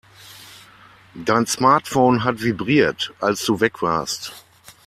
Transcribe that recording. Dein Smartphone hat vibriert, als du weg warst.